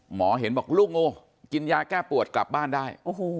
เห็นบอกลูกงูกินยาแก้ปวดกลับบ้านได้